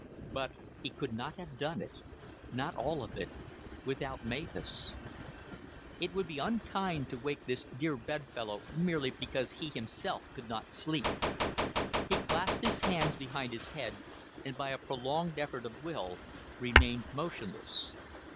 But he could not have done it not all of it without Mavis. It would be unkind to wake this dear bedfellow merely because he himself could not sleep. He clasped his hands behind his head, and by a prolonged effort of will remained motionless.